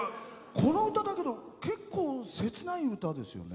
この歌結構、切ない歌ですよね。